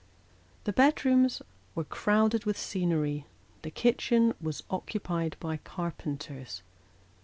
The bedrooms were crowded with scenery, the kitchen was occupied by carpenters.